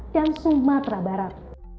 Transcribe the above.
dan sumatera barat